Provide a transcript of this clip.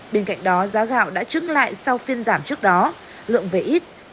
bên cạnh đó giá gạo đã trứng lại sau phiên giảm trước đó lượng về ít